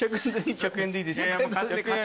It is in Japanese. １００円でいいです。